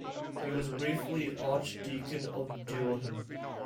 He was briefly archdeacon of Durham.